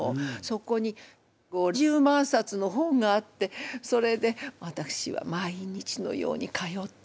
そこに５０万冊の本があってそれでわたくしは毎日のように通って勉強したわ。